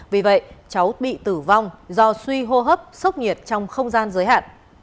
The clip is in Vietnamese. vì vậy cháu bị tử vong do suy hô hấp sốc nhiệt trong không gian giới hạn